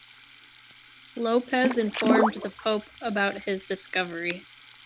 Lopez informed the Pope about his discovery.